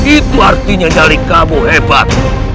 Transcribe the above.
itu artinya dari kamu hebat